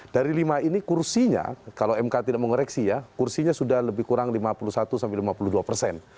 dari lima ini kursinya kalau mk tidak mengoreksi ya kursinya sudah lebih kurang lima puluh satu sampai lima puluh dua persen